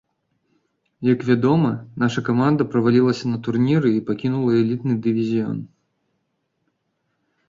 Як вядома, наша каманда правалілася на турніры і пакінула элітны дывізіён.